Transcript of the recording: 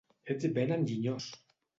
Ets ben enginyós!